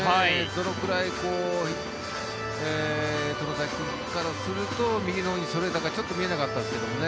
どのくらい外崎君からすると右のほうにそれたのかちょっと見えなかったですけどね。